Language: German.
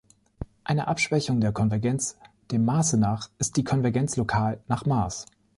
Eine Abschwächung der Konvergenz dem Maße nach ist die Konvergenz lokal nach Maß.